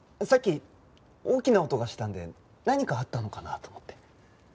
さっき大きな音がしたんで何かあったのかなと思って。